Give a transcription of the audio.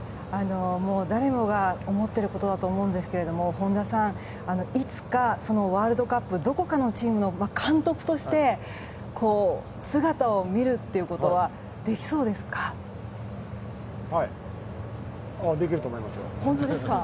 誰もが思っていることだと思うんですけれども本田さん、いつかワールドカップどこかのチームの監督として姿を見るということはできそうですか？